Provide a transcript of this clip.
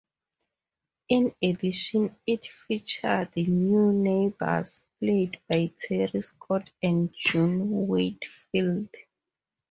In addition, it featured "new" neighbours played by Terry Scott and June Whitfield.